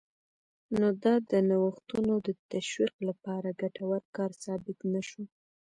نو دا د نوښتونو د تشویق لپاره ګټور کار ثابت نه شو